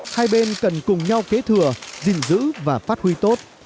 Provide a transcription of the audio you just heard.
hai bên cần cùng nhau kế thừa gìn giữ và phát huy tốt